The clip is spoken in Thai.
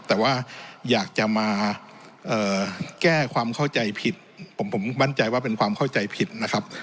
แต่ว่าอยากจะมาแก้ความเข้าใจผิดผมมั่นใจว่าเป็นความเข้าใจผิดนะครับ